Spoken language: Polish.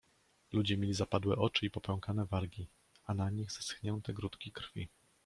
Ludzie mieli zapadłe oczy i popękane wargi, a na nich zeschnięte grudki krwi.